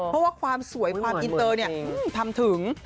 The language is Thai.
เพราะว่าความสวยความอินเตอร์ทำถึง